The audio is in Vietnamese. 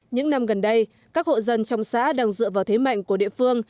những năm gần đây các hộ dân trong xã đang dựa vào thế mạnh của địa phương